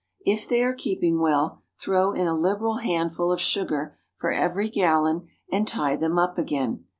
If they are keeping well, throw in a liberal handful of sugar for every gallon, and tie them up again.